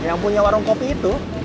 yang punya warung kopi itu